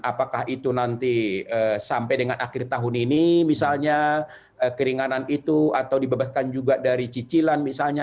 apakah itu nanti sampai dengan akhir tahun ini misalnya keringanan itu atau dibebaskan juga dari cicilan misalnya